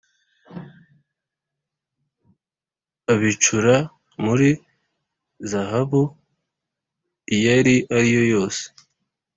abicura muri zahabu iyari ariyo yose